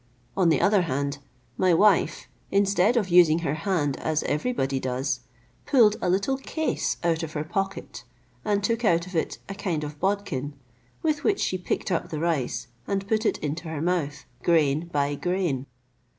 On the other hand, my wife, instead of using her hand as everybody does, pulled a little case out of her pocket, and took out of it a kind of bodkin, with which she picked up the rice, and put it into her mouth, grain by grain.